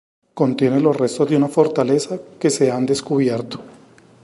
Contiene los restos de una fortaleza que se han descubierto.